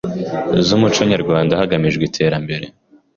z’umuco w’u Rwanda hagamijwe iterambere